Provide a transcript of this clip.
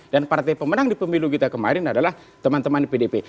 dan partai pemenang di pemilu kita kemarin adalah teman teman pdip